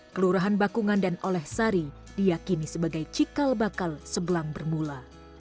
kelurahan bakungan dan oleh sari diakini sebagai cikal bakal sebelang bermula